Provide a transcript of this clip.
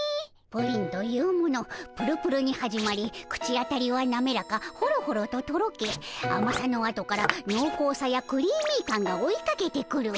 プリンというものぷるぷるに始まり口当たりはなめらかほろほろととろけあまさの後からのうこうさやクリーミー感が追いかけてくる。